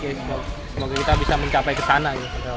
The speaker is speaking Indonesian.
semoga kita bisa mencapai ke sana